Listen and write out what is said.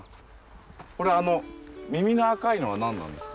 これあの耳の赤いのは何なんですか？